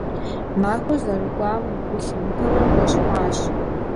Махуэр зэрыкӀуам гу лъимытэурэ, жэщ хъуащ.